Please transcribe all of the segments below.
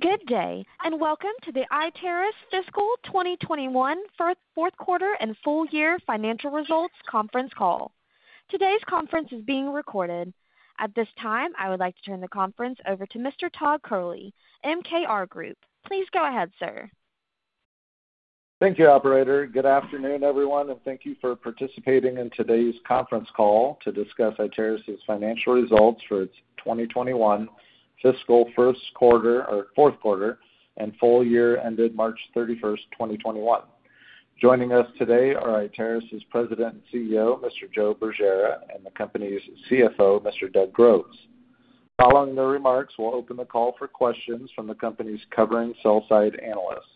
Good day, welcome to the Iteris fiscal 2021 fourth quarter and full year financial results conference call. Today's conference is being recorded. At this time, I would like to turn the conference over to Mr. Todd Kehrli, MKR Group. Please go ahead, sir. Thank you, operator. Good afternoon, everyone, and thank you for participating in today's conference call to discuss Iteris' financial results for its 2021 fiscal fourth quarter and full year ended March 31st, 2021. Joining us today are Iteris' President and CEO, Mr. Joe Bergera, and the company's CFO, Mr. Doug Groves. Following their remarks, we'll open the call for questions from the company's covering sell-side analysts.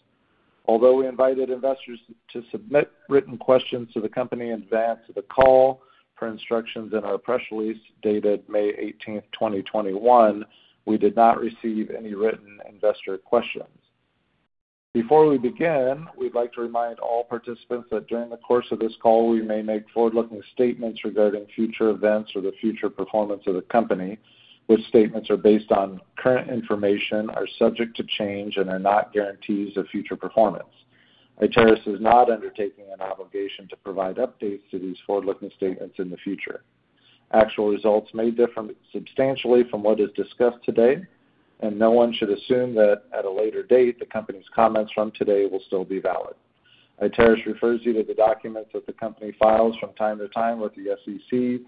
Although we invited investors to submit written questions to the company in advance of the call, per instructions in our press release dated May 18th, 2021, we did not receive any written investor questions. Before we begin we'd like to remind all the participants that during the course this call, we may forward looking statements regarding future events or the future performance of the company, which statements are based on current information are subject to change, and are not guarantees of future performance. Iteris is not undertaking an obligation to provide updates to these forward-looking statements in the future. Actual results may differ substantially from what is discussed today, and no one should assume that at a later date, the company's comments from today will still be valid. Iteris refers you to the documents that the company files from time to time with the SEC,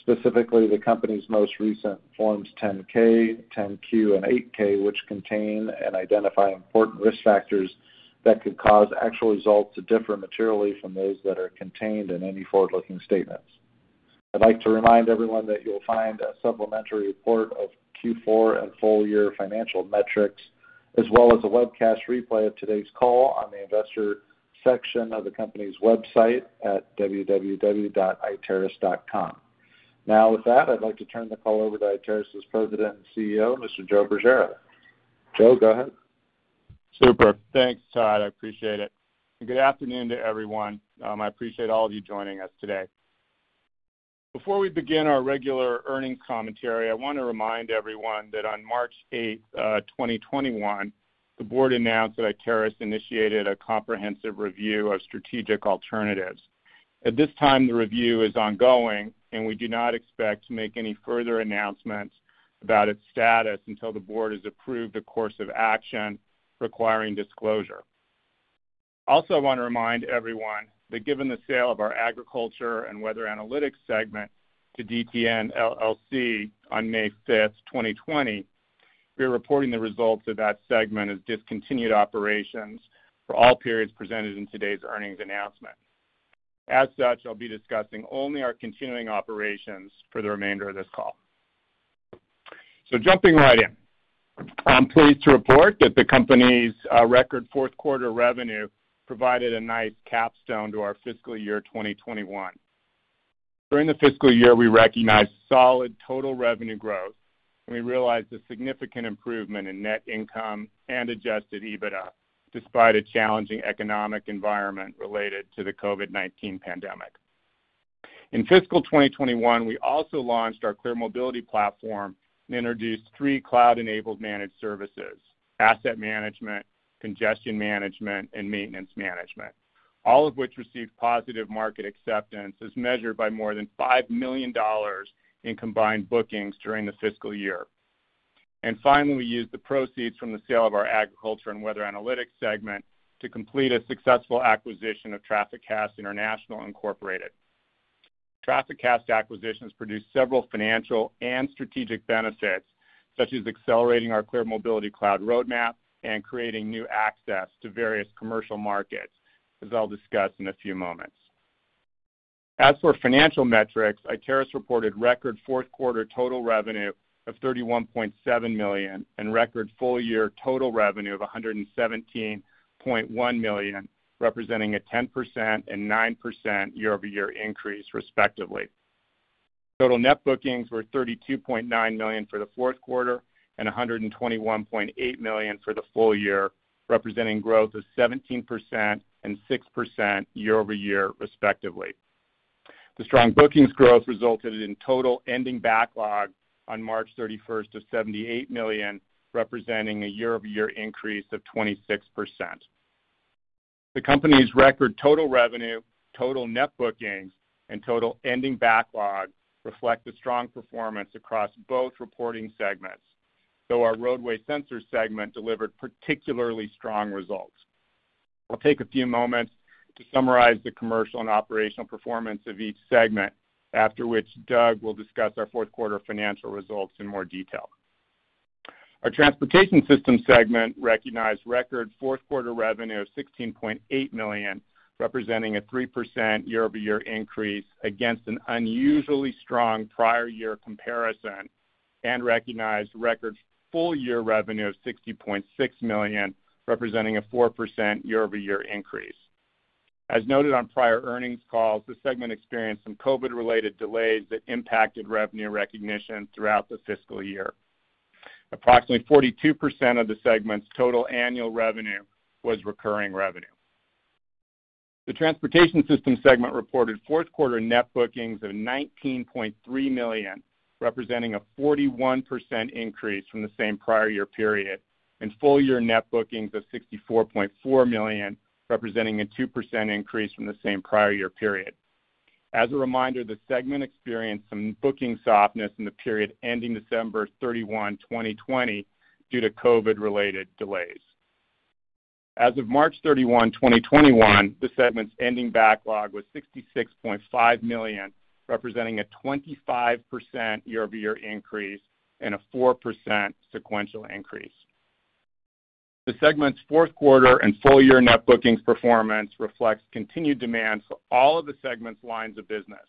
specifically the company's most recent Forms 10-K, 10-Q, and 8-K, which contain and identify important risk factors that could cause actual results to differ materially from those that are contained in any forward-looking statements. I'd like to remind everyone that you'll find a supplementary report of Q4 and full-year financial metrics, as well as a webcast replay of today's call on the investor section of the company's website at www.iteris.com. With that, I'd like to turn the call over to Iteris' President and CEO, Mr. Joe Bergera. Joe, go ahead. Superb. Thanks, Todd. I appreciate it. Good afternoon to everyone. I appreciate all of you joining us today. Before we begin our regular earnings commentary, I want to remind everyone that on March 8th, 2021, the board announced that Iteris initiated a comprehensive review of strategic alternatives. At this time, the review is ongoing, and we do not expect to make any further announcements about its status until the board has approved a course of action requiring disclosure. I also want to remind everyone that given the sale of our agriculture and weather analytics segment to DTN, LLC on May 5th, 2020, we are reporting the results of that segment as discontinued operations for all periods presented in today's earnings announcement. As such, I'll be discussing only our continuing operations for the remainder of this call. Jumping right in. I'm pleased to report that the company's record fourth quarter revenue provided a nice capstone to our fiscal year 2021. During the fiscal year, we recognized solid total revenue growth, and we realized a significant improvement in net income and adjusted EBITDA, despite a challenging economic environment related to the COVID-19 pandemic. In fiscal 2021, we also launched our ClearMobility Platform and introduced three cloud-enabled managed services: asset management, congestion management, and maintenance management, all of which received positive market acceptance as measured by more than $5 million in combined bookings during the fiscal year. Finally, we used the proceeds from the sale of our agriculture and weather analytics segment to complete a successful acquisition of TrafficCast International, Incorporated. TrafficCast acquisition has produced several financial and strategic benefits, such as accelerating our ClearMobility Cloud roadmap and creating new access to various commercial markets, as I'll discuss in a few moments. As for financial metrics, Iteris reported record fourth quarter total revenue of $31.7 million and record full year total revenue of $117.1 million, representing a 10% and 9% year-over-year increase, respectively. Total net bookings were $32.9 million for the fourth quarter and $121.8 million for the full year, representing growth of 17% and 6% year-over-year, respectively. The strong bookings growth resulted in total ending backlog on March 31st of $78 million, representing a year-over-year increase of 26%. The company's record total revenue, total net bookings, and total ending backlog reflect a strong performance across both reporting segments, though our roadway sensor segment delivered particularly strong results. I'll take a few moments to summarize the commercial and operational performance of each segment. After which, Doug will discuss our fourth quarter financial results in more detail. Our transportation system segment recognized record fourth quarter revenue of $16.8 million, representing a 3% year-over-year increase against an unusually strong prior year comparison, and recognized record full year revenue of $60.6 million, representing a 4% year-over-year increase. As noted on prior earnings calls, this segment experienced COVID-related delays that impacted revenue recognition throughout the fiscal year. Approximately 42% of the segment's total annual revenue was recurring revenue. The transportation system segment reported fourth quarter net bookings of $19.3 million, representing a 41% increase from the same prior year period, and full-year net bookings of $64.4 million, representing a 2% increase from the same prior year period. As a reminder, the segment experienced some booking softness in the period ending December 31, 2020, due to COVID-related delays. As of March 31, 2021, the segment's ending backlog was $66.5 million, representing a 25% year-over-year increase and a 4% sequential increase. The segment's fourth quarter and full-year net bookings performance reflects continued demand for all of the segment's lines of business,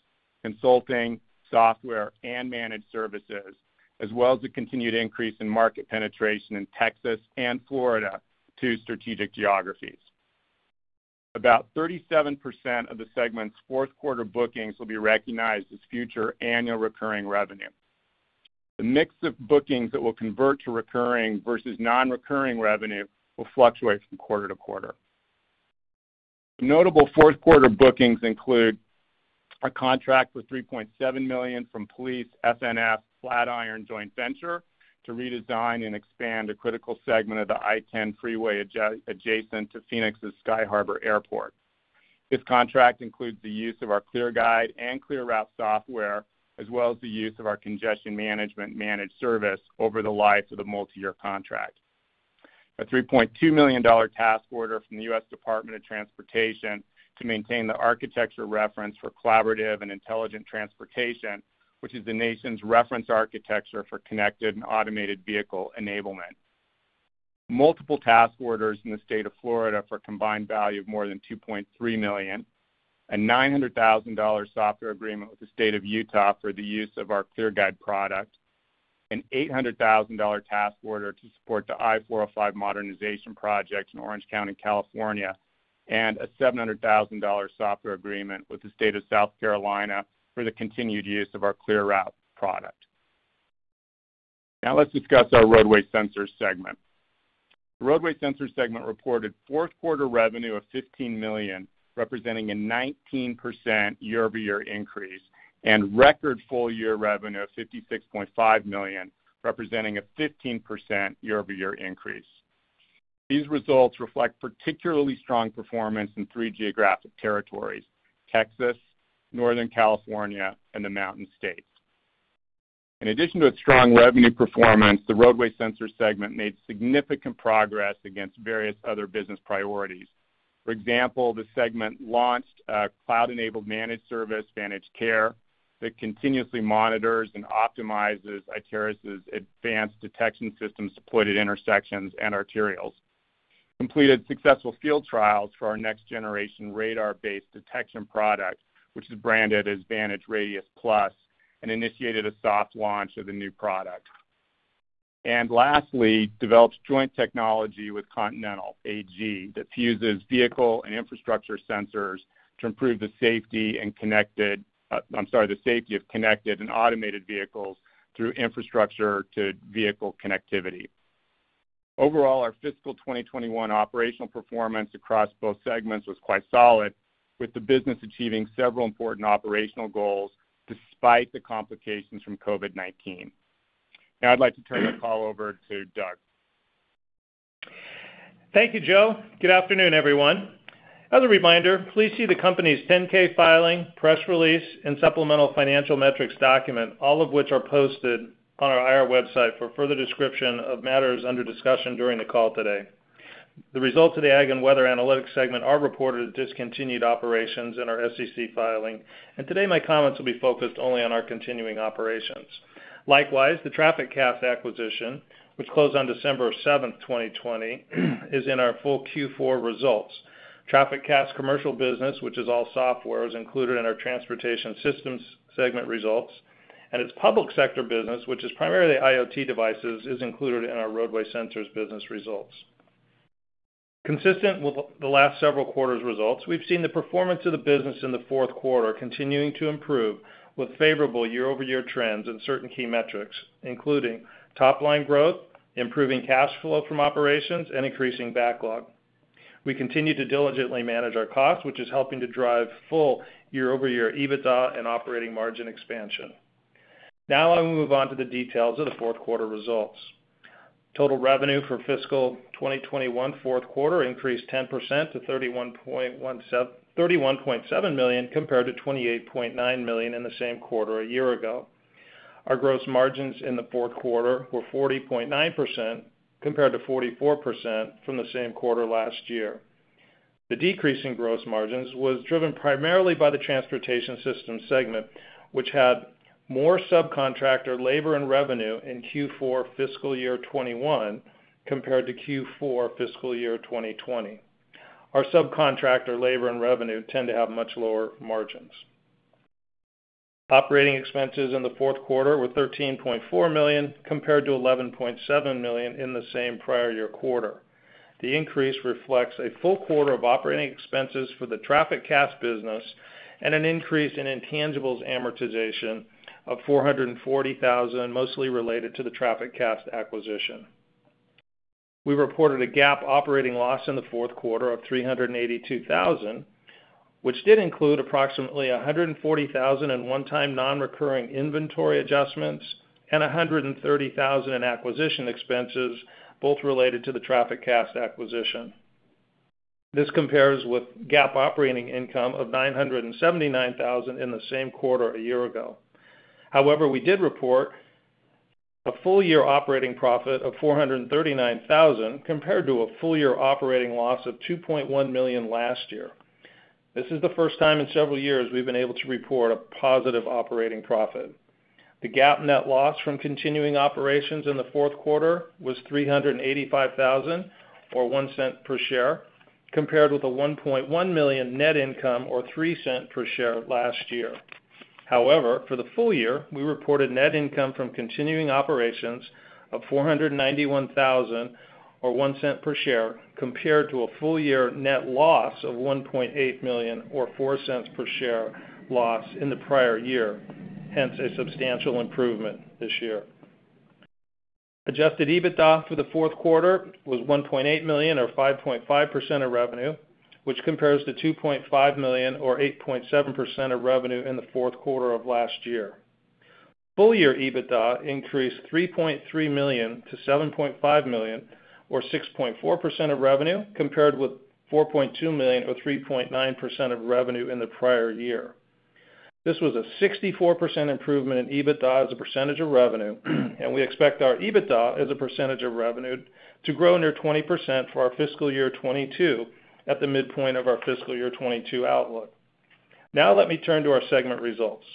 consulting, software, and managed services, as well as the continued increase in market penetration in Texas and Florida, two strategic geographies. About 37% of the segment's fourth quarter bookings will be recognized as future annual recurring revenue. The mix of bookings that will convert to recurring versus non-recurring revenue will fluctuate from quarter-to-quarter. Notable fourth quarter bookings include a contract for $3.7 million from Pulice-FNF-Flatiron Joint Venture to redesign and expand a critical segment of the I-10 freeway adjacent to Phoenix's Sky Harbor Airport. This contract includes the use of our ClearGuide and ClearRoute software, as well as the use of our congestion management managed service over the life of the multi-year contract. A $3.2 million task order from the U.S. Department of Transportation to maintain the Architecture Reference for Cooperative and Intelligent Transportation which is the nation's reference architecture for connected and automated vehicle enablement. Multiple task orders in the state of Florida for a combined value of more than $2.3 million. A $900,000 software agreement with the state of Utah for the use of our ClearGuide product. An $800,000 task order to support the I-405 modernization project in Orange County, California, and a $700,000 software agreement with the state of South Carolina for the continued use of our ClearRoute product. Let's discuss our roadway sensor segment. The roadway sensor segment reported fourth quarter revenue of $15 million, representing a 19% year-over-year increase, and record full-year revenue of $56.5 million, representing a 15% year-over-year increase. These results reflect particularly strong performance in three geographic territories, Texas, Northern California, and the Mountain States. In addition to strong revenue performance, the roadway sensor segment made significant progress against various other business priorities. For example, the segment launched a cloud-enabled managed service, VantageCare, that continuously monitors and optimizes Iteris' advanced detection systems to put in intersections and arterials. Completed successful field trials for our next-generation radar-based detection product, which is branded as VantageRadius+, and initiated a soft launch of the new product. And lastly, developed joint technology with Continental AG that fuses vehicle and infrastructure sensors to improve the safety of connected and automated vehicles through infrastructure-to-vehicle connectivity. Overall, our fiscal 2021 operational performance across both segments was quite solid, with the business achieving several important operational goals despite the complications from COVID-19. Now I'd like to turn the call over to Doug. Thank you, Joe. Good afternoon, everyone. As a reminder, please see the company's 10-K filing, press release, and supplemental financial metrics document, all of which are posted on our IR website for further description of matters under discussion during the call today. The results of the Ag and Weather Analytics Segment are reported as discontinued operations in our SEC filing, and today my comments will be focused only on our continuing operations. Likewise, the TrafficCast acquisition, which closed on December 7, 2020, is in our full Q4 results. TrafficCast commercial business, which is all software, is included in our Transportation Systems Segment results, and its public sector business, which is primarily IoT devices, is included in our Roadway Sensors Business results. Consistent with the last several quarters' results, we've seen the performance of the business in the fourth quarter continuing to improve with favorable year-over-year trends in certain key metrics, including top-line growth, improving cash flow from operations, and increasing backlog. We continue to diligently manage our costs, which is helping to drive full year-over-year EBITDA and operating margin expansion. I will move on to the details of the fourth quarter results. Total revenue for fiscal 2021 fourth quarter increased 10% to $31.7 million compared to $28.9 million in the same quarter a year ago. Our gross margins in the fourth quarter were 40.9% compared to 44% from the same quarter last year. The decrease in gross margins was driven primarily by the Transportation Systems segment, which had more subcontractor labor and revenue in Q4 fiscal year 2021 compared to Q4 fiscal year 2020. Our subcontractor labor and revenue tend to have much lower margins. Operating expenses in the fourth quarter were $13.4 million compared to $11.7 million in the same prior year quarter. The increase reflects a full quarter of operating expenses for the TrafficCast business and an increase in intangibles amortization of $440,000, mostly related to the TrafficCast acquisition. We reported a GAAP operating loss in the fourth quarter of $382,000, which did include approximately $140,000 in one-time non-recurring inventory adjustments and $130,000 in acquisition expenses, both related to the TrafficCast acquisition. This compares with GAAP operating income of $979,000 in the same quarter a year ago. However, we did report a full-year operating profit of $439,000 compared to a full-year operating loss of $2.1 million last year. This is the first time in several years we've been able to report a positive operating profit. The GAAP net loss from continuing operations in the fourth quarter was $385,000 or $0.01 per share, compared with a $1.1 million net income or $0.03 per share last year. For the full year, we reported net income from continuing operations of $491,000 or $0.01 per share compared to a full-year net loss of $1.8 million or $0.04 per share loss in the prior year, hence a substantial improvement this year. Adjusted EBITDA for the fourth quarter was $1.8 million or 5.5% of revenue, which compares to $2.5 million or 8.7% of revenue in the fourth quarter of last year. Full year EBITDA increased $3.3 million to $7.5 million or 6.4% of revenue, compared with $4.2 million or 3.9% of revenue in the prior year. This was a 64% improvement in EBITDA as a percentage of revenue. We expect our EBITDA as a percentage of revenue to grow near 20% for our fiscal year 2022 at the midpoint of our fiscal year 2022 outlook. Let me turn to our segment results.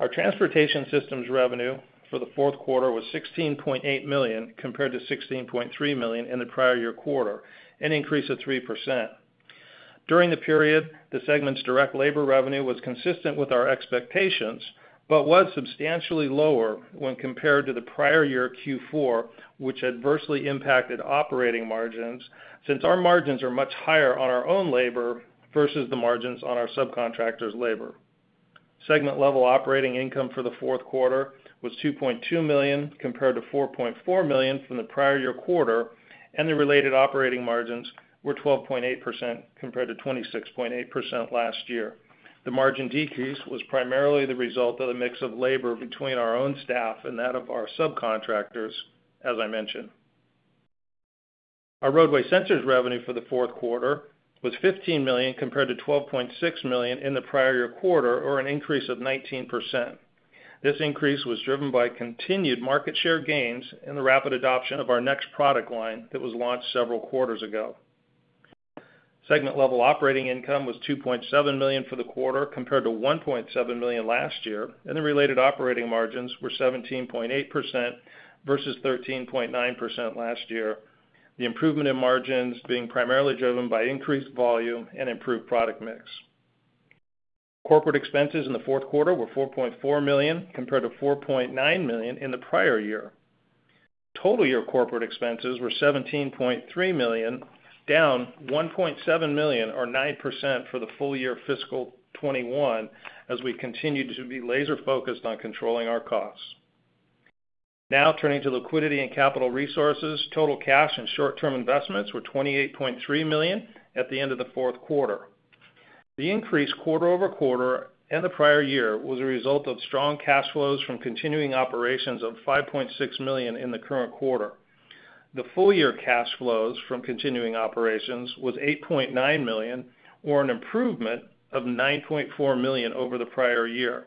Our Transportation Systems revenue for the fourth quarter was $16.8 million, compared to $16.3 million in the prior year quarter, an increase of 3%. During the period, the segment's direct labor revenue was consistent with our expectations but was substantially lower when compared to the prior year Q4, which adversely impacted operating margins since our margins are much higher on our own labor versus the margins on our subcontractor's labor. Segment-level operating income for the fourth quarter was $2.2 million, compared to $4.4 million from the prior year quarter, and the related operating margins were 12.8% compared to 26.8% last year. The margin decrease was primarily the result of the mix of labor between our own staff and that of our subcontractors, as I mentioned. Our roadway sensors revenue for the fourth quarter was $15 million compared to $12.6 million in the prior year quarter, or an increase of 19%. This increase was driven by continued market share gains and the rapid adoption of our next product line that was launched several quarters ago. Segment-level operating income was $2.7 million for the quarter, compared to $1.7 million last year, and the related operating margins were 17.8% versus 13.9% last year. The improvement in margins being primarily driven by increased volume and improved product mix. Corporate expenses in the fourth quarter were $4.4 million, compared to $4.9 million in the prior year. Total year corporate expenses were $17.3 million, down $1.7 million or 9% for the full year fiscal 2021 as we continued to be laser-focused on controlling our costs. Turning to liquidity and capital resources. Total cash and short-term investments were $28.3 million at the end of the fourth quarter. The increase quarter-over-quarter and the prior year was a result of strong cash flows from continuing operations of $5.6 million in the current quarter. The full year cash flows from continuing operations was $8.9 million, or an improvement of $9.4 million over the prior year.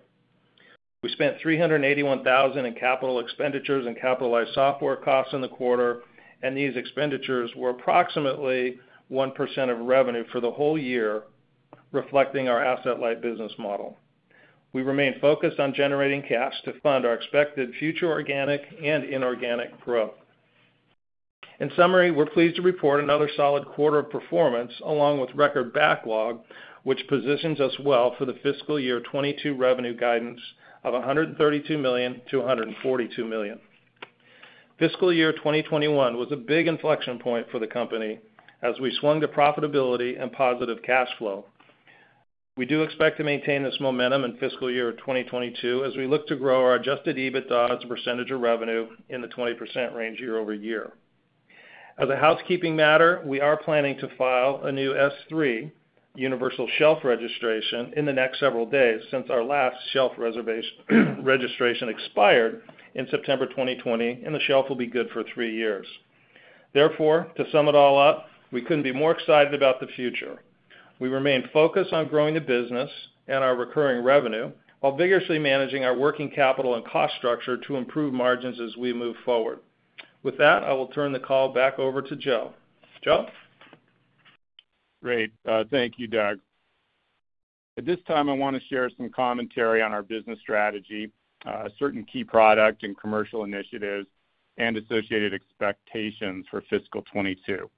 We spent $381,000 in capital expenditures and capitalized software costs in the quarter, these expenditures were approximately 1% of revenue for the whole year, reflecting our asset-light business model. We remain focused on generating cash to fund our expected future organic and inorganic growth. In summary, we're pleased to report another solid quarter of performance along with record backlog, which positions us well for the fiscal year 2022 revenue guidance of $132 million-$142 million. Fiscal year 2021 was a big inflection point for the company as we swung to profitability and positive cash flow. We do expect to maintain this momentum in fiscal year 2022 as we look to grow our adjusted EBITDA as a percentage of revenue in the 20% range year over year. As a housekeeping matter, we are planning to file a new S-3 universal shelf registration in the next several days since our last shelf registration expired in September 2020, and the shelf will be good for three years. Therefore, to sum it all up, we couldn't be more excited about the future. We remain focused on growing the business and our recurring revenue while vigorously managing our working capital and cost structure to improve margins as we move forward. With that, I will turn the call back over to Joe. Joe? Great. Thank you, Doug. At this time, I want to share some commentary on our business strategy, certain key product and commercial initiatives, and associated expectations for fiscal 2022.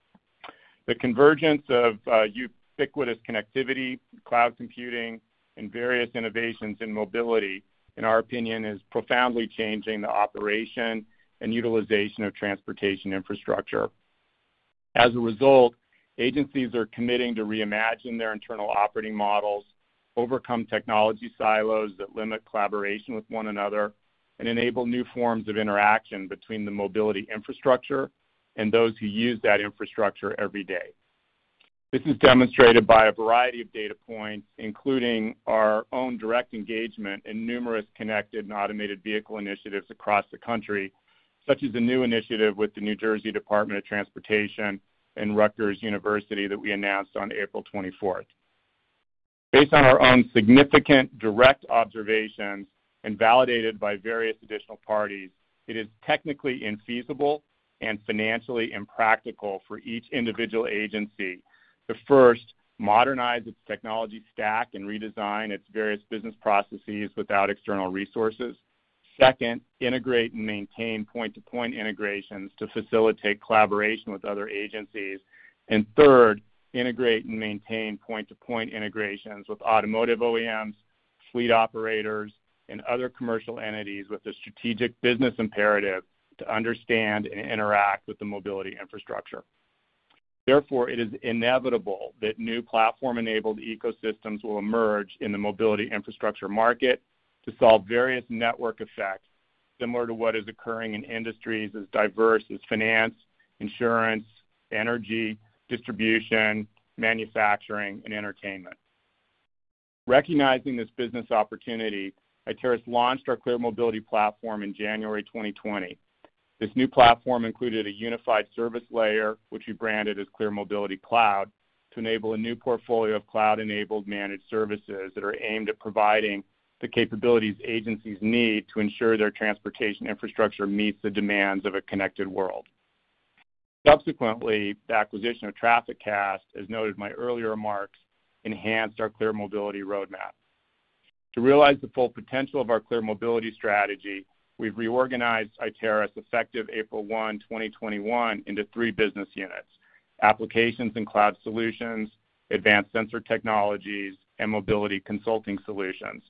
The convergence of ubiquitous connectivity, cloud computing, and various innovations in mobility, in our opinion, is profoundly changing the operation and utilization of transportation infrastructure. As a result, agencies are committing to reimagine their internal operating models, overcome technology silos that limit collaboration with one another, and enable new forms of interaction between the mobility infrastructure and those who use that infrastructure every day. This is demonstrated by a variety of data points, including our own direct engagement in numerous connected and automated vehicle initiatives across the country, such as a new initiative with the New Jersey Department of Transportation and Rutgers University that we announced on April 24th. Based on our own significant direct observations and validated by various additional parties, it is technically infeasible and financially impractical for each individual agency to first modernize its technology stack and redesign its various business processes without external resources. Second, integrate and maintain point-to-point integrations to facilitate collaboration with other agencies. Third, integrate and maintain point-to-point integrations with automotive OEMs, fleet operators, and other commercial entities with a strategic business imperative to understand and interact with the mobility infrastructure. Therefore, it is inevitable that new platform-enabled ecosystems will emerge in the mobility infrastructure market to solve various network effects, similar to what is occurring in industries as diverse as finance, insurance, energy, distribution, manufacturing, and entertainment. Recognizing this business opportunity, Iteris launched our ClearMobility Platform in January 2020. This new platform included a unified service layer, which we branded as ClearMobility Cloud, to enable a new portfolio of cloud-enabled managed services that are aimed at providing the capabilities agencies need to ensure their transportation infrastructure meets the demands of a connected world. Subsequently, the acquisition of TrafficCast, as noted in my earlier remarks, enhanced our ClearMobility roadmap. To realize the full potential of our ClearMobility strategy, we've reorganized Iteris, effective April 1, 2021, into three business units: applications and cloud solutions, advanced sensor technologies, and mobility consulting solutions,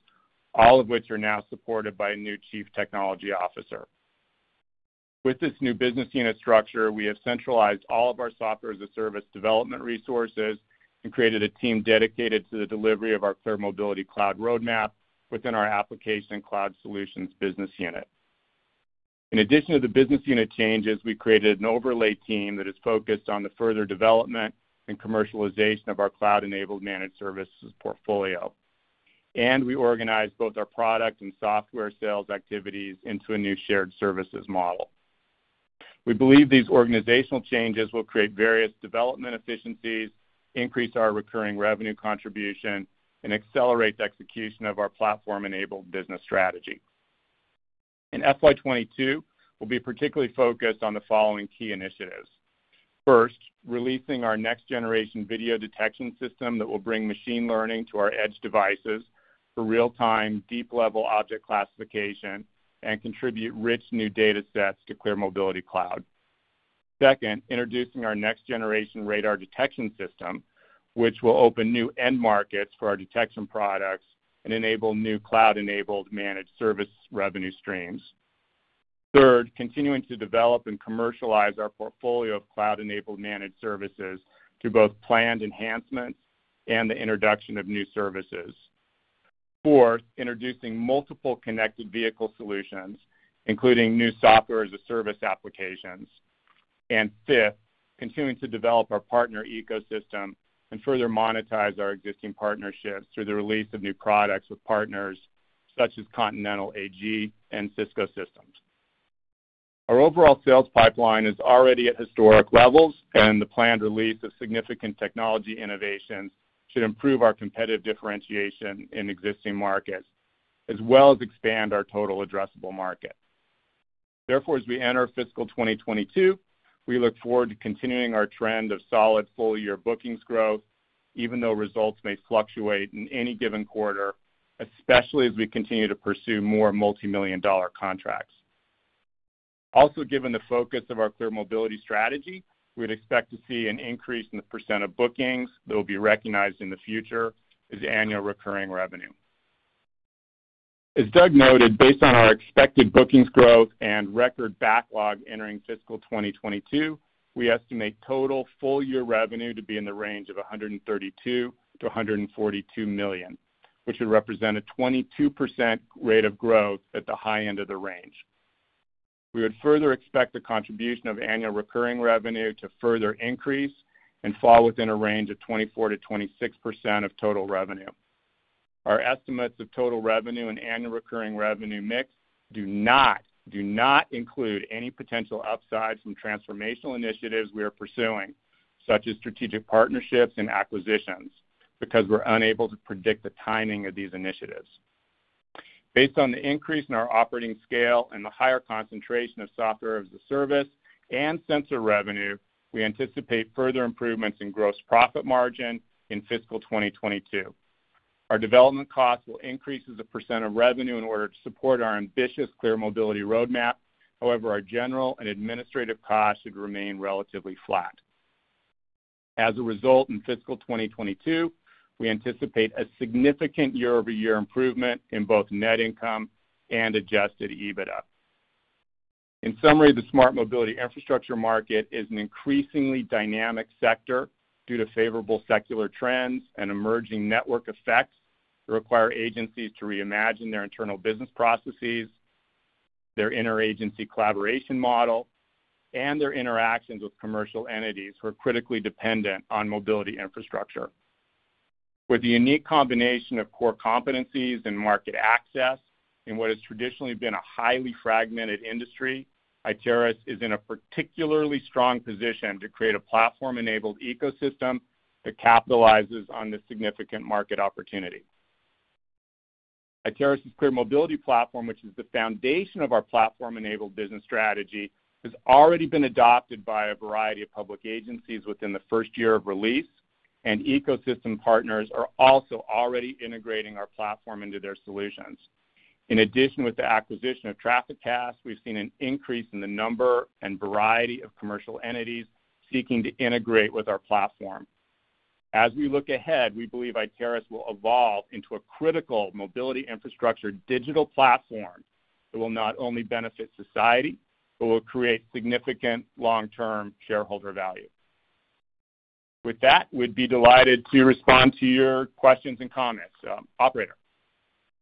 all of which are now supported by a new chief technology officer. With this new business unit structure, we have centralized all of our software as a service development resources and created a team dedicated to the delivery of our ClearMobility Cloud roadmap within our application cloud solutions business unit. In addition to the business unit changes, we created an overlay team that is focused on the further development and commercialization of our cloud-enabled managed services portfolio. We organized both our product and software sales activities into a new shared services model. We believe these organizational changes will create various development efficiencies, increase our recurring revenue contribution, and accelerate the execution of our platform-enabled business strategy. In FY 2022, we'll be particularly focused on the following key initiatives. First, releasing our next-generation video detection system that will bring machine learning to our edge devices for real-time, deep-level object classification and contribute rich new data sets to ClearMobility Cloud. Second, introducing our next-generation radar detection system, which will open new end markets for our detection products and enable new cloud-enabled managed service revenue streams. Third, continuing to develop and commercialize our portfolio of cloud-enabled managed services through both planned enhancements and the introduction of new services. Fourth, introducing multiple connected vehicle solutions, including new software as a service applications. Fifth, continuing to develop our partner ecosystem and further monetize our existing partnerships through the release of new products with partners such as Continental AG and Cisco Systems. Our overall sales pipeline is already at historic levels, and the planned release of significant technology innovations should improve our competitive differentiation in existing markets, as well as expand our total addressable market. Therefore, as we enter fiscal 2022, we look forward to continuing our trend of solid full-year bookings growth, even though results may fluctuate in any given quarter, especially as we continue to pursue more multimillion-dollar contracts. Given the focus of our ClearMobility strategy, we'd expect to see an increase in the percent of bookings that will be recognized in the future as annual recurring revenue. As Doug noted, based on our expected bookings growth and record backlog entering fiscal 2022, we estimate total full-year revenue to be in the range of $132 million-$142 million, which would represent a 22% rate of growth at the high end of the range. We would further expect the contribution of annual recurring revenue to further increase and fall within a range of 24%-26% of total revenue. Our estimates of total revenue and annual recurring revenue mix do not include any potential upside from transformational initiatives we are pursuing, such as strategic partnerships and acquisitions, because we're unable to predict the timing of these initiatives. Based on the increase in our operating scale and the higher concentration of software as a service and sensor revenue, we anticipate further improvements in gross profit margin in fiscal 2022. Our development costs will increase as a percent of revenue in order to support our ambitious ClearMobility roadmap. However, our general and administrative costs should remain relatively flat. As a result, in fiscal 2022, we anticipate a significant year-over-year improvement in both net income and adjusted EBITDA. In summary, the smart mobility infrastructure market is an increasingly dynamic sector due to favorable secular trends and emerging network effects that require agencies to reimagine their internal business processes, their interagency collaboration model, and their interactions with commercial entities who are critically dependent on mobility infrastructure. With the unique combination of core competencies and market access in what has traditionally been a highly fragmented industry, Iteris is in a particularly strong position to create a platform-enabled ecosystem that capitalizes on this significant market opportunity. Iteris' ClearMobility Platform, which is the foundation of our platform-enabled business strategy, has already been adopted by a variety of public agencies within the first year of release, and ecosystem partners are also already integrating our platform into their solutions. In addition, with the acquisition of TrafficCast, we've seen an increase in the number and variety of commercial entities seeking to integrate with our platform. As we look ahead, we believe Iteris will evolve into a critical mobility infrastructure digital platform that will not only benefit society, but will create significant long-term shareholder value. With that, we'd be delighted to respond to your questions and comments. Operator?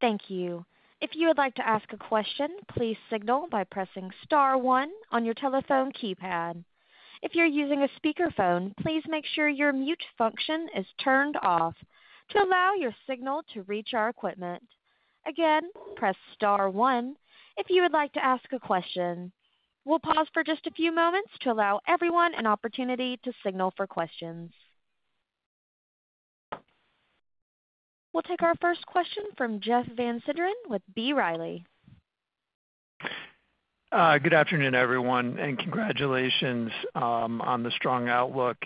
Thank you. If you would like to ask a question, please signal by pressing star one on your telephone keypad. If you're using a speakerphone, please make sure your mute function is turned off to allow your signal to reach our equipment. Again, press star one if you would like to ask a question. We'll pause for just a few moments to allow everyone an opportunity to signal for questions. We'll take our first question from Jeff Van Sinderen with B. Riley. Good afternoon, everyone, and congratulations on the strong outlook.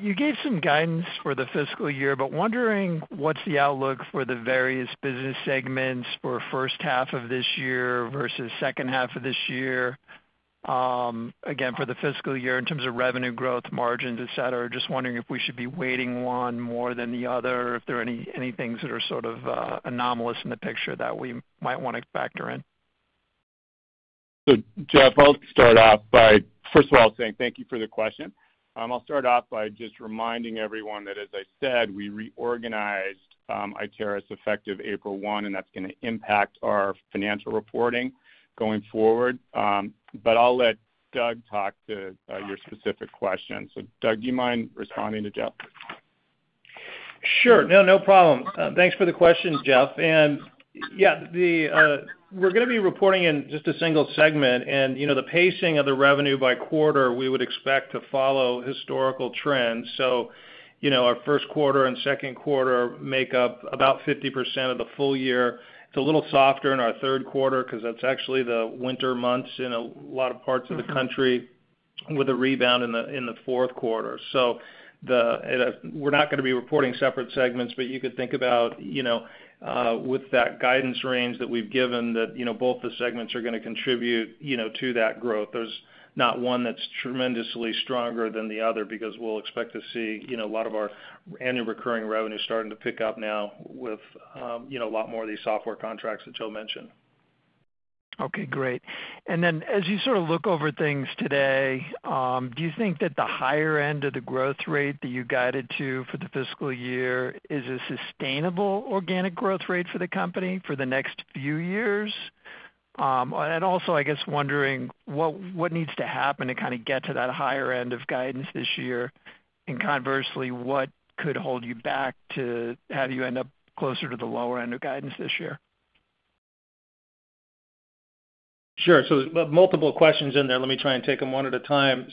You gave some guidance for the fiscal year, but wondering what's the outlook for the various business segments for first half of this year versus second half of this year, again, for the fiscal year in terms of revenue growth, margins, et cetera? Just wondering if we should be weighting one more than the other, if there are any things that are sort of anomalous in the picture that we might want to factor in. Jeff, I'll start off by first of all saying thank you for the question, and I'll start off by just reminding everyone that, as I said, we reorganized Iteris effective April 1, and that's going to impact our financial reporting going forward. I'll let Doug talk to your specific question. Doug, do you mind responding to Jeff? Sure. No problem. Thanks for the question, Jeff. Yeah, we're going to be reporting in just a single segment and the pacing of the revenue by quarter, we would expect to follow historical trends. Our first quarter and second quarter make up about 50% of the full year. It's a little softer in our third quarter because that's actually the winter months in a lot of parts of the country, with a rebound in the fourth quarter. We're not going to be reporting separate segments, but you could think about with that guidance range that we've given, that both the segments are going to contribute to that growth. There's not one that's tremendously stronger than the other because we'll expect to see a lot of our annual recurring revenue starting to pick up now with a lot more of these software contracts that Joe mentioned. Okay, great. As you sort of look over things today, do you think that the higher end of the growth rate that you guided to for the fiscal year is a sustainable organic growth rate for the company for the next few years? I guess wondering what needs to happen to kind of get to that higher end of guidance this year, and conversely, what could hold you back to have you end up closer to the lower end of guidance this year? Sure. Multiple questions in there. Let me try and take them one at a time. At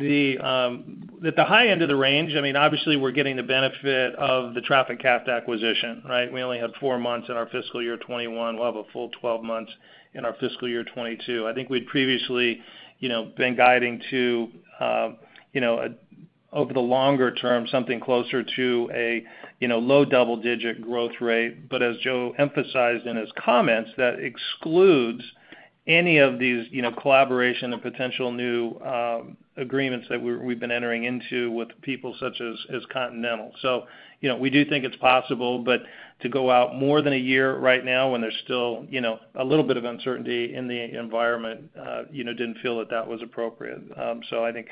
the high end of the range, obviously we're getting the benefit of the TrafficCast acquisition, right? We only had four months in our fiscal year 2021. We'll have a full 12 months in our fiscal year 2022. I think we'd previously been guiding to, over the longer term, something closer to a low double-digit growth rate. As Joe emphasized in his comments, that excludes any of these collaboration and potential new agreements that we've been entering into with people such as Continental. We do think it's possible, but to go out more than a year right now when there's still a little bit of uncertainty in the environment, didn't feel that that was appropriate. I think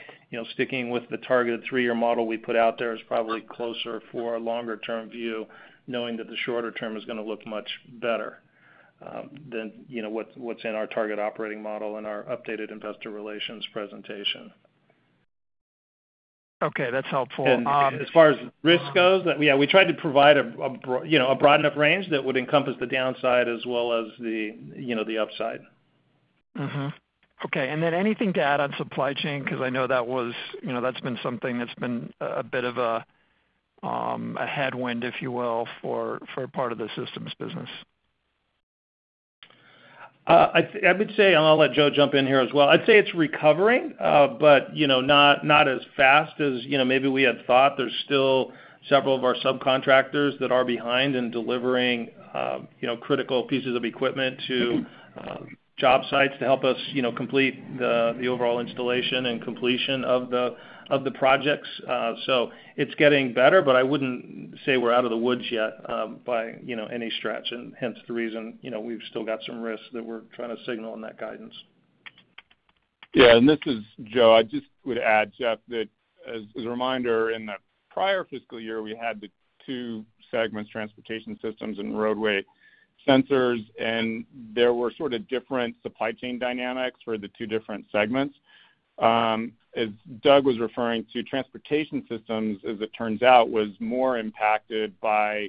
sticking with the targeted three-year model we put out there is probably closer for a longer-term view, knowing that the shorter term is going to look much better than what's in our target operating model in our updated investor relations presentation. Okay. That's helpful. As far as risk goes, we tried to provide a broad enough range that would encompass the downside as well as the upside. Mm-hmm. Okay, anything to add on supply chain? Because I know that's been something that's been a bit of a headwind, if you will, for part of the systems business. I would say, and I'll let Joe jump in here as well, I'd say it's recovering, but not as fast as maybe we had thought. There's still several of our subcontractors that are behind in delivering critical pieces of equipment to job sites to help us complete the overall installation and completion of the projects. It's getting better, but I wouldn't. Say we're out of the woods yet by any stretch, and hence the reason we've still got some risks that we're trying to signal in that guidance. Yeah. This is Joe. I just would add, Jeff, that as a reminder, in that prior fiscal year, we had the two segments, transportation systems and roadway sensors, and there were sort of different supply chain dynamics for the two different segments. As Doug was referring to, transportation systems, as it turns out, was more impacted by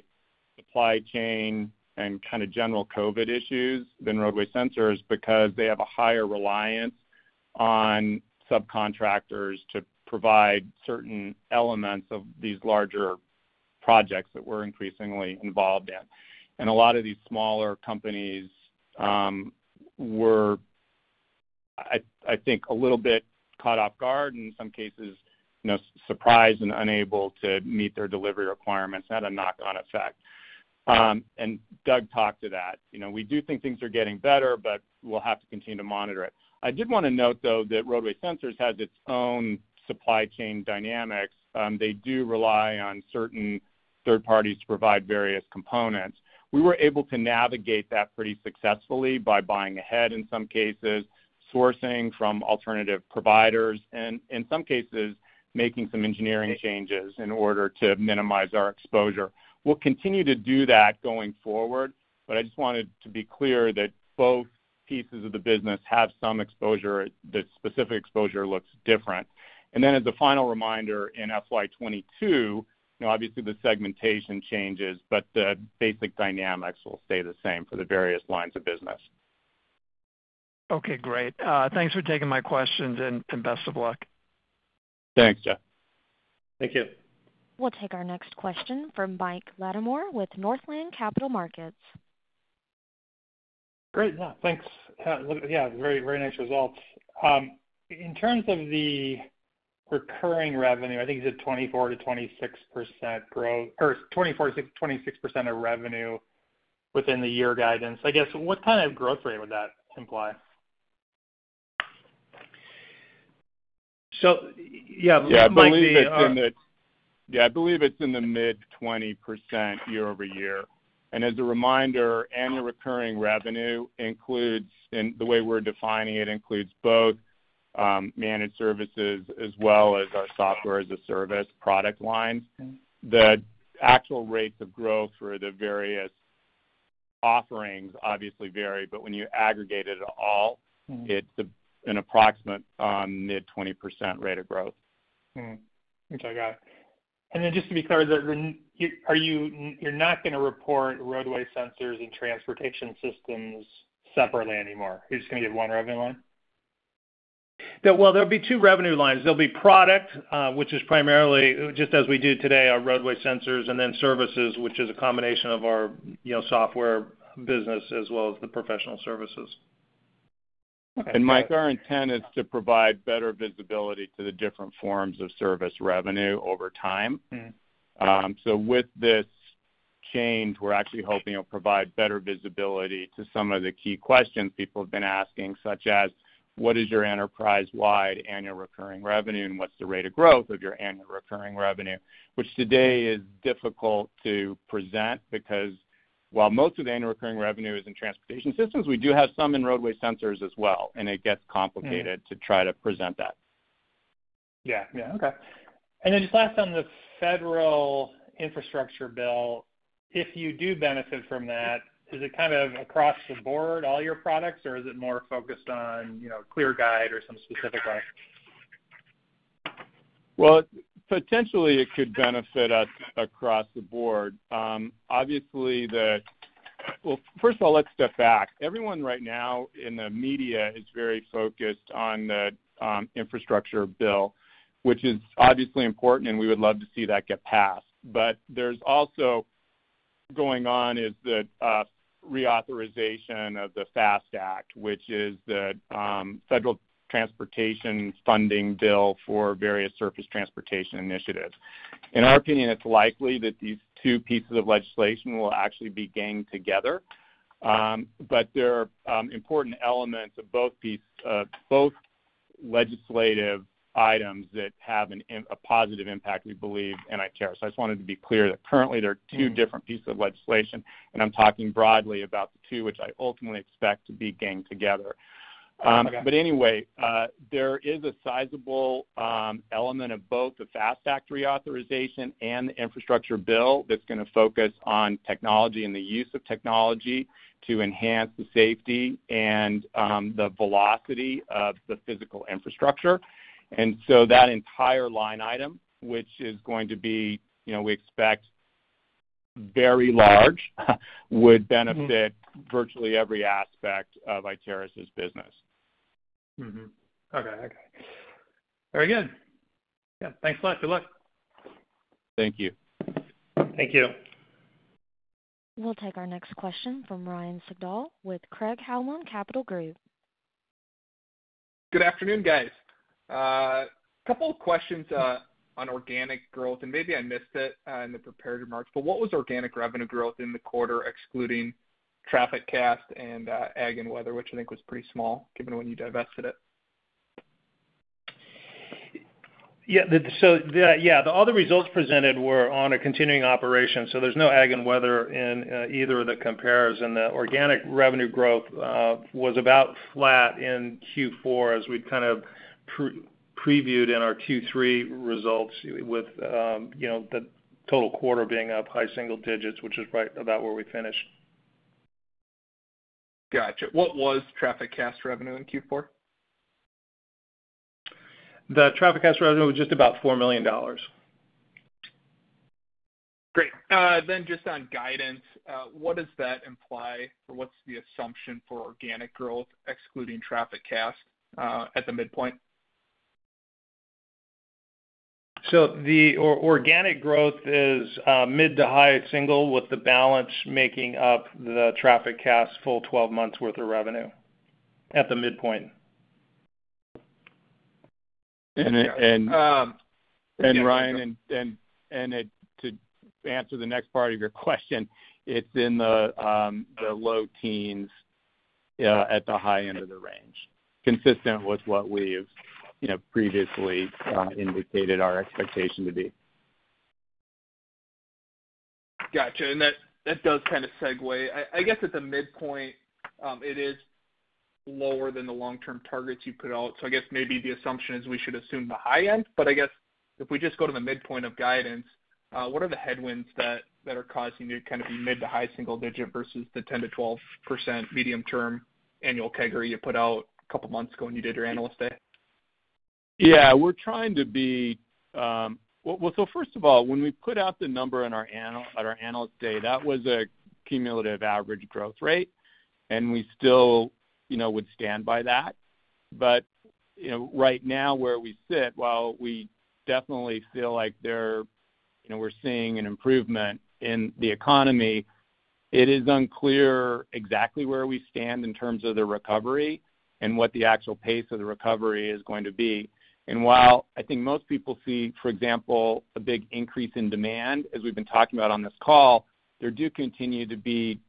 supply chain and kind of general COVID issues than roadway sensors because they have a higher reliance on subcontractors to provide certain elements of these larger projects that we're increasingly involved in. A lot of these smaller companies were, I think, a little bit caught off guard, in some cases surprised and unable to meet their delivery requirements. It had a knock-on effect. Doug talked to that. We do think things are getting better, but we'll have to continue to monitor it. I did want to note, though, that roadway sensors has its own supply chain dynamics. They do rely on certain third parties to provide various components. We were able to navigate that pretty successfully by buying ahead in some cases, sourcing from alternative providers, and in some cases, making some engineering changes in order to minimize our exposure. We'll continue to do that going forward, but I just wanted to be clear that both pieces of the business have some exposure. The specific exposure looks different. As a final reminder, in FY 2022, obviously the segmentation changes, but the basic dynamics will stay the same for the various lines of business. Okay, great. Thanks for taking my questions, and best of luck. Thanks, Jeff. Thank you. We'll take our next question from Mike Latimore with Northland Capital Markets. Great. Yeah, thanks. Yeah, very nice results. In terms of the recurring revenue, I think you said 24%-26% of revenue within the year guidance. I guess, what kind of growth rate would that imply? Yeah, I believe it's in the mid-20% year-over-year. As a reminder, annual recurring revenue, the way we're defining it, includes both managed services as well as our software as a service product line. Okay. The actual rates of growth for the various offerings obviously vary, but when you aggregate it all. It's an approximate mid-20% rate of growth. Which I got. Just because you're not going to report roadway sensors and transportation systems separately anymore? You're just going to do one revenue line? Well, there'll be two revenue lines. There'll be product, which is primarily just as we do today, our roadway sensors, and then services, which is a combination of our software business as well as the professional services. Okay. My fair intent is to provide better visibility to the different forms of service revenue over time. With this change, we're actually hoping it'll provide better visibility to some of the key questions people have been asking, such as, what is your enterprise-wide annual recurring revenue, and what's the rate of growth of your annual recurring revenue? Which today is difficult to present because while most of the annual recurring revenue is in transportation systems, we do have some in roadway sensors as well, and it gets complicated to try to present that. Yeah. Okay. Just last on the federal infrastructure bill, if you do benefit from that, is it kind of across the board, all your products, or is it more focused on ClearGuide or some specific products? Well, potentially it could benefit us across the board. Well, first of all, let's step back. Everyone right now in the media is very focused on the infrastructure bill, which is obviously important and we would love to see that get passed. What's also going on is the reauthorization of the FAST Act, which is the federal transportation funding bill for various surface transportation initiatives. In our opinion, it's likely that these two pieces of legislation will actually be gained together. There are important elements of both legislative items that have a positive impact, we believe, on Iteris. I just wanted to be clear that currently there are two different pieces of legislation, and I'm talking broadly about the two, which I ultimately expect to be gained together. Okay. Anyway, there is a sizable element of both the FAST Act reauthorization and the infrastructure bill that's going to focus on technology and the use of technology to enhance the safety and the velocity of the physical infrastructure. That entire line item, which is going to be, we expect, very large, would benefit virtually every aspect of Iteris's business. Mm-hmm. Okay. Very good. Yeah. Thanks a lot. Good luck. Thank you. Thank you. We'll take our next question from Ryan Sigdahl with Craig-Hallum Capital Group. Good afternoon, guys. Couple of questions on organic growth. Maybe I missed it in the prepared remarks, but what was organic revenue growth in the quarter, excluding TrafficCast and Ag and Weather, which I think was pretty small given when you divested it? Yeah. All the results presented were on a continuing operation. There's no ag and weather in either of the comparisons. Organic revenue growth was about flat in Q4 as we kind of previewed in our Q3 results with the total quarter being up high single digits, which is right about where we finished. Got you. What was TrafficCast revenue in Q4? The TrafficCast revenue was just about $4 million. Great. Just on guidance, what does that imply? What's the assumption for organic growth excluding TrafficCast at the midpoint? The organic growth is mid to high single with the balance making up the TrafficCast full 12 months worth of revenue at the midpoint. Ryan, to answer the next part of your question, it's in the low teens at the high end of the range, consistent with what we've previously indicated our expectation to be. Got you. That does kind of segue. I guess at the midpoint, it is lower than the long-term targets you put out. I guess maybe the assumption is we should assume the high end. I guess if we just go to the midpoint of guidance, what are the headwinds that are causing you to kind of be mid to high single digit versus the 10%-12% medium-term annual CAGR you put out a couple of months ago when you did your Analyst Day? Yeah. Well, first of all, when we put out the number on our analyst day, that was a cumulative average growth rate, we still would stand by that. Right now where we sit, while we definitely feel like we're seeing an improvement in the economy, it is unclear exactly where we stand in terms of the recovery and what the actual pace of the recovery is going to be. While I think most people see, for example, a big increase in demand, as we've been talking about on this call, there do continue to be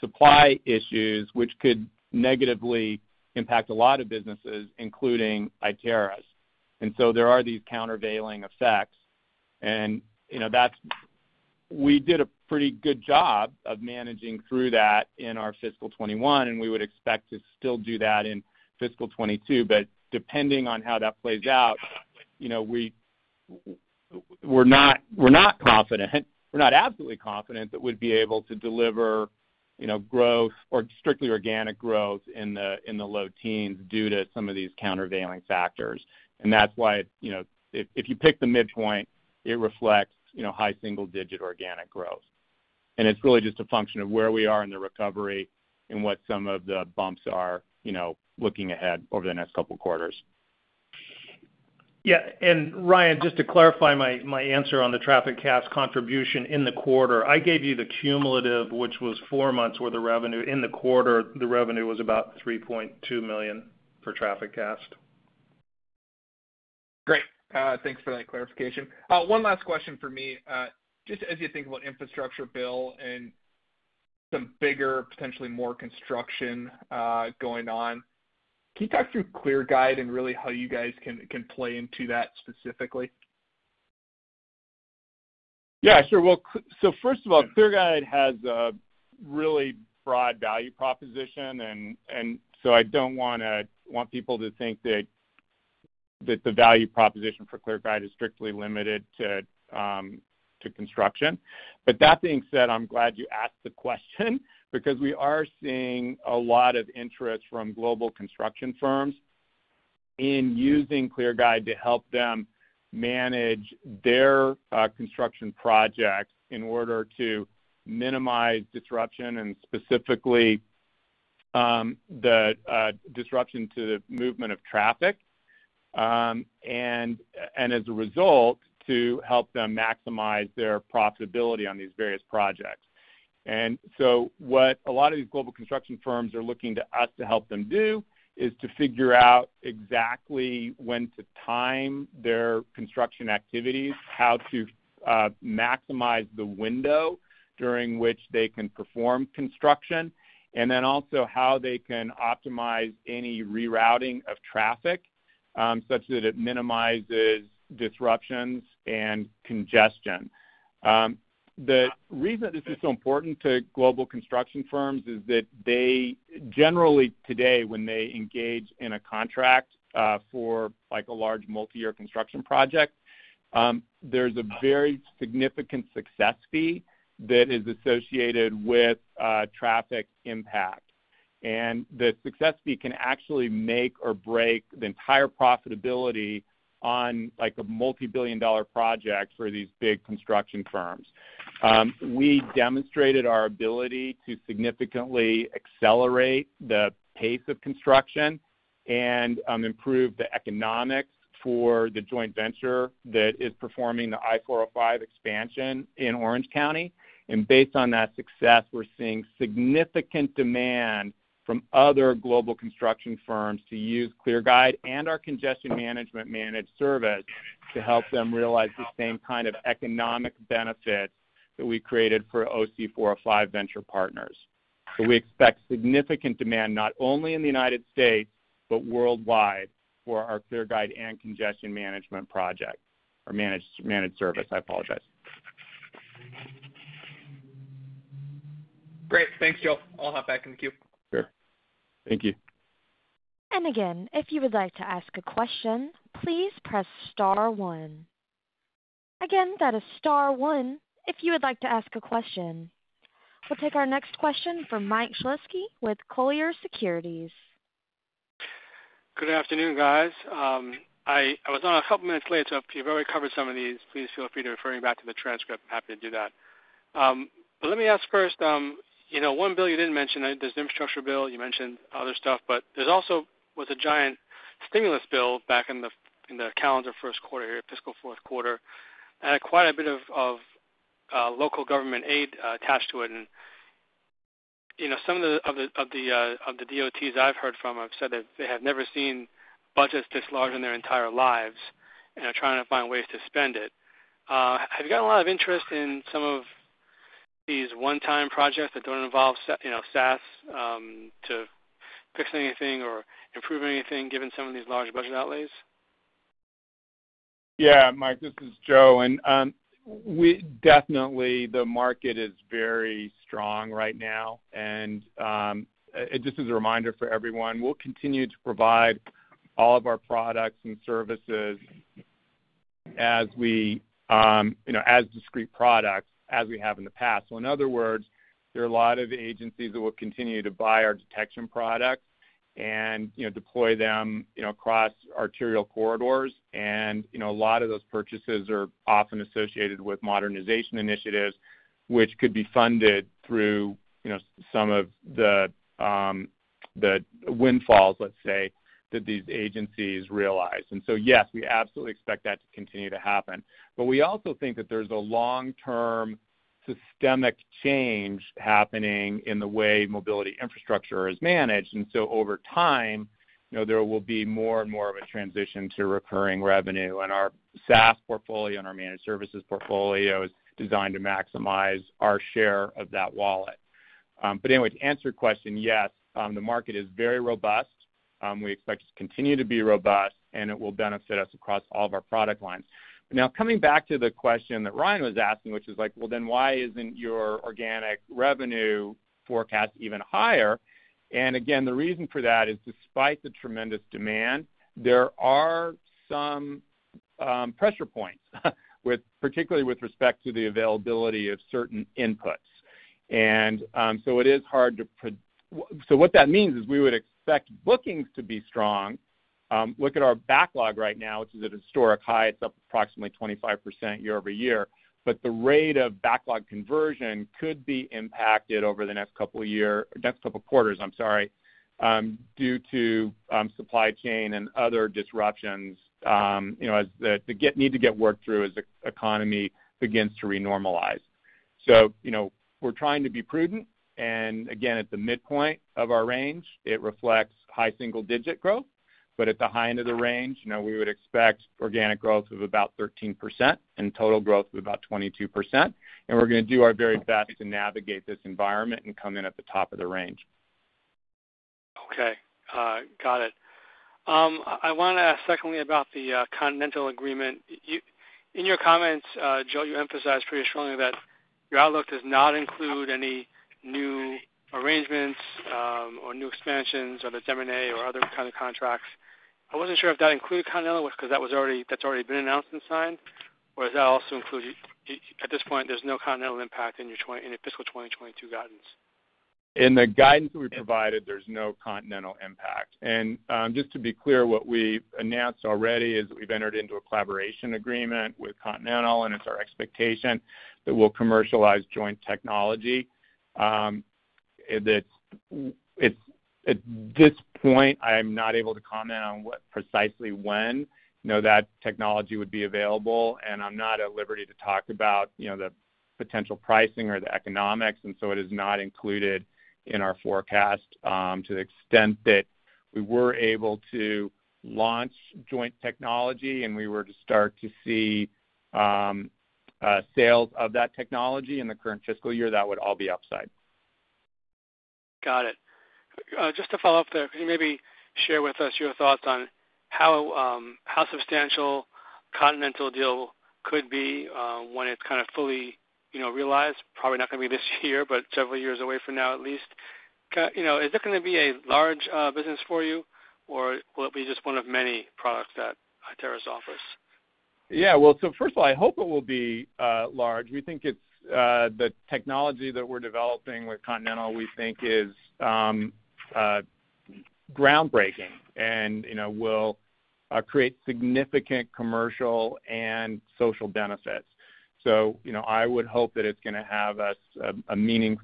supply issues which could negatively impact a lot of businesses, including Iteris. There are these countervailing effects. We did a pretty good job of managing through that in our fiscal 2021, and we would expect to still do that in fiscal 2022. Depending on how that plays out, we're not confident, we're not absolutely confident that we'd be able to deliver growth or strictly organic growth in the low teens due to some of these countervailing factors. That's why if you pick the midpoint, it reflects high single-digit organic growth. It's really just a function of where we are in the recovery and what some of the bumps are looking ahead over the next couple of quarters. Yeah. Ryan, just to clarify my answer on the TrafficCast contribution in the quarter, I gave you the cumulative, which was four months worth of revenue. In the quarter, the revenue was about $3.2 million for TrafficCast. Great. Thanks for that clarification. One last question from me. Just as you think about infrastructure bill and some bigger, potentially more construction going on, can you talk through ClearGuide and really how you guys can play into that specifically? Yeah, sure. First of all, ClearGuide has a really broad value proposition, and so I don't want people to think that the value proposition for ClearGuide is strictly limited to construction. That being said, I'm glad you asked the question because we are seeing a lot of interest from global construction firms in using ClearGuide to help them manage their construction projects in order to minimize disruption and specifically the disruption to the movement of traffic, and as a result, to help them maximize their profitability on these various projects. What a lot of these global construction firms are looking to us to help them do is to figure out exactly when to time their construction activities, how to maximize the window during which they can perform construction, and then also how they can optimize any rerouting of traffic such that it minimizes disruptions and congestion. The reason this is so important to global construction firms is that they generally today, when they engage in a contract for a large multi-year construction project, there's a very significant success fee that is associated with traffic impact. The success fee can actually make or break the entire profitability on a multi-billion dollar project for these big construction firms. We demonstrated our ability to significantly accelerate the pace of construction and improve the economics for the joint venture that is performing the I-405 expansion in Orange County. Based on that success, we're seeing significant demand from other global construction firms to use ClearGuide and our congestion management managed service to help them realize the same kind of economic benefits that we created for OC405 venture partners. We expect significant demand, not only in the United States but worldwide for our ClearGuide and congestion managed service. Great. Thanks, y'all. I'll hop back in the queue. Sure. Thank you. And again, if you would like to ask a question please press star one. Again that is star one, if you would like to ask a question. We'll take our next question from Mike Shlisky with Colliers Securities. Good afternoon, guys. I was on a couple minutes late, so if you've already covered some of these, please feel free to refer me back to the transcript. Happy to do that. Let me ask first, one bill you didn't mention, there's the infrastructure bill, you mentioned other stuff, there's also was a giant stimulus bill back in the calendar first quarter, fiscal fourth quarter, and had quite a bit of local government aid attached to it. Some of the DOTs I've heard from have said that they have never seen budgets this large in their entire lives and are trying to find ways to spend it. Have you got a lot of interest in some of these one-time projects that don't involve SaaS to fix anything or improve anything, given some of these large budget outlays? Yeah, Mike, this is Joe. Definitely the market is very strong right now. Just as a reminder for everyone, we'll continue to provide all of our products and services as discrete products as we have in the past. In other words, there are a lot of agencies that will continue to buy our detection products and deploy them across arterial corridors. A lot of those purchases are often associated with modernization initiatives, which could be funded through some of the windfalls, let's say, that these agencies realize. Yes, we absolutely expect that to continue to happen. We also think that there's a long-term systemic change happening in the way mobility infrastructure is managed. Over time, there will be more and more of a transition to recurring revenue, and our SaaS portfolio and our managed services portfolio is designed to maximize our share of that wallet. To answer your question, yes, the market is very robust. We expect it to continue to be robust, it will benefit us across all of our product lines. Coming back to the question that Ryan was asking, which is like, well, then why isn't your organic revenue forecast even higher? The reason for that is despite the tremendous demand, there are some pressure points, particularly with respect to the availability of certain inputs. What that means is we would expect bookings to be strong. Look at our backlog right now, which is at historic highs of approximately 25% year-over-year, but the rate of backlog conversion could be impacted over the next couple quarters due to supply chain and other disruptions that need to get worked through as the economy begins to re-normalize. We're trying to be prudent, and again, at the midpoint of our range, it reflects high single-digit growth, but at the high end of the range, we would expect organic growth of about 13% and total growth of about 22%. We're going to do our very best to navigate this environment and come in at the top of the range. Okay. Got it. I want to ask secondly about the Continental agreement. In your comments, Joe, you emphasized pretty strongly that your outlook does not include any new arrangements or new expansions of the 7A or other kind of contracts. I wasn't sure if that included Continental because that's already been announced and signed. Does that also include at this point, there's no Continental impact in fiscal 2022 guidance? In the guidance we provided, there's no Continental impact. Just to be clear, what we've announced already is we've entered into a collaboration agreement with Continental, and it's our expectation that we'll commercialize joint technology. At this point, I'm not able to comment on precisely when that technology would be available, and I'm not at liberty to talk about the potential pricing or the economics, and so it is not included in our forecast. To the extent that we were able to launch joint technology and we were to start to see sales of that technology in the current fiscal year, that would all be upside. Got it. Just to follow up there, can you maybe share with us your thoughts on how substantial Continental deal could be when it's kind of fully realized? Probably not going to be this year, but several years away from now at least. Is it going to be a large business for you, or will it be just one of many products that Iteris offers? Well, first of all, I hope it will be large. We think the technology that we're developing with Continental is groundbreaking and will create significant commercial and social benefits. I would hope that it's going to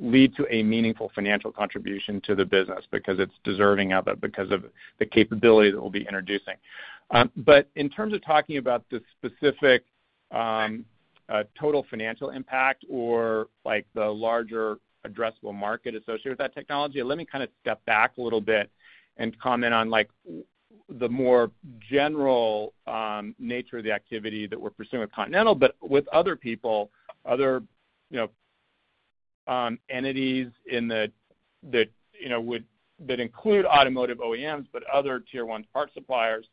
lead to a meaningful financial contribution to the business because it's deserving of it because of the capabilities it will be introducing. In terms of talking about the specific total financial impact or the larger addressable market associated with that technology, let me kind of step back a little bit and comment on like the more general nature of the activity that we're pursuing with Continental, but with other people, other entities that include automotive OEMs, but other Tier 1 part suppliers,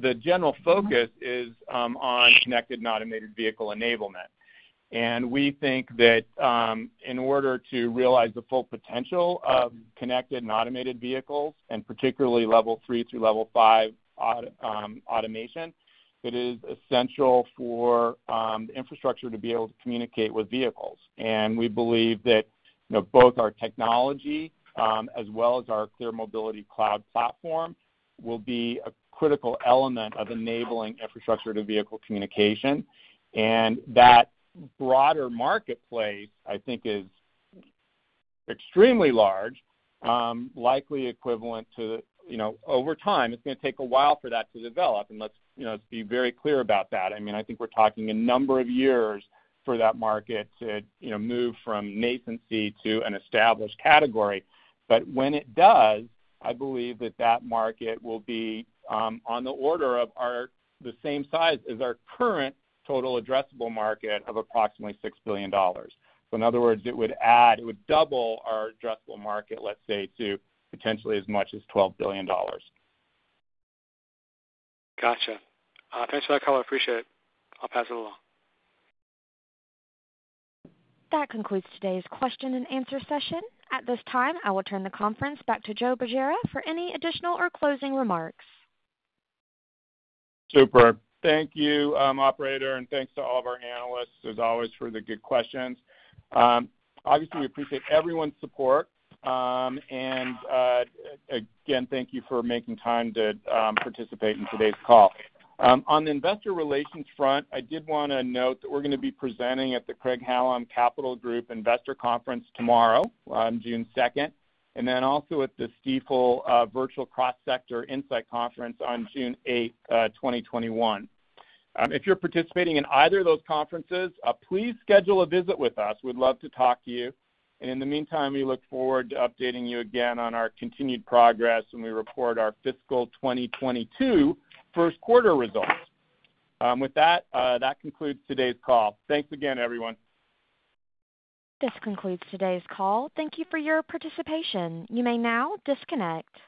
the general focus is on connected and automated vehicle enablement. We think that in order to realize the full potential of connected and automated vehicles, particularly level three through level five automation, it is essential for infrastructure to be able to communicate with vehicles. We believe that both our technology, as well as our ClearMobility Cloud platform, will be a critical element of enabling infrastructure to vehicle communication. That broader marketplace, I think is extremely large, likely equivalent to, over time, it's going to take a while for that to develop. Let's be very clear about that. I think we're talking a number of years for that market to move from latency to an established category. When it does, I believe that that market will be on the order of the same size as our current total addressable market of approximately $6 billion. In other words, it would double our addressable market, let's say, to potentially as much as $12 billion. Got you. Thanks for that call. Appreciate it. I'll pass it along. That concludes today's question and answer session. At this time, I will turn the conference back to Joe Bergera for any additional or closing remarks. Super. Thank you, operator, and thanks to all of our analysts as always for the good questions. Obviously, we appreciate everyone's support. Again, thank you for making time to participate in today's call. On the investor relations front, I did want to note that we're going to be presenting at the Craig-Hallum Institutional Investor Conference tomorrow, June 2nd, also at the Stifel Virtual Cross Sector Insight Conference on June 8, 2021. If you're participating in either of those conferences, please schedule a visit with us. We'd love to talk to you. In the meantime, we look forward to updating you again on our continued progress when we report our fiscal 2022 first quarter results. With that concludes today's call. Thanks again, everyone. This concludes today's call. Thank you for your participation. You may now disconnect.